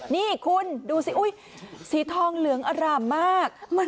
นี่คุณดูซิสีทองเหลืองอร่ามาก